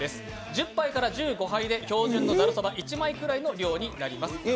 １０杯から１５杯で標準のざるそば一枚になります。